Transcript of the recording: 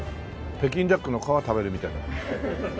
北京ダックの皮食べるみたいな。